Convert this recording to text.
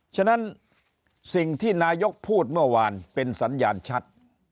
ฉะนั้นสิ่งที่นายกพูดเมื่อวานเป็นสัญญาณชัด